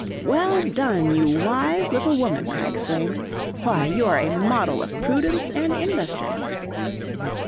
"Well done, you wise little woman!" I exclaimed. "Why, you are a model of prudence and industry!"